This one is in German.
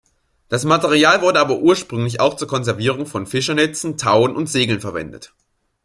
Das Material wurde aber ursprünglich auch zur Konservierung von Fischernetzen, Tauen und Segeln verwendet.